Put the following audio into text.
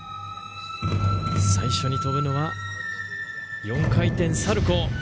最初に跳ぶのは４回転サルコウ。